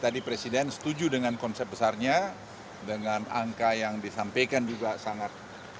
tadi presiden setuju dengan konsep besarnya dengan angka yang disampaikan juga sangat